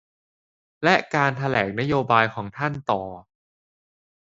และการแถลงนโยบายของท่านต่อ